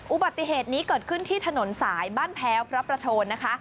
อุบัติเหตุนี้เกิดขึ้นที่ถนนสายบ้านแพ้วพระประโทนนะคะ